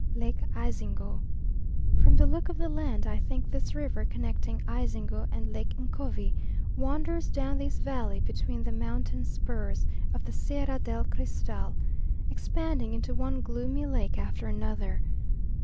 Lake Ayzingo. From the look of the land, I think this river connecting Ayzingo and Lake Ncovi wanders down this valley between the mountain spurs of the Sierra del Cristal, expanding into one gloomy lake after another.